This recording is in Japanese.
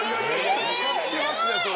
ムカつきますねそれ。